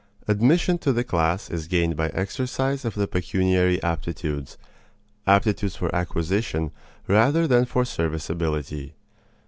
Admission to the class is gained by exercise of the pecuniary aptitudes aptitudes for acquisition rather than for serviceability.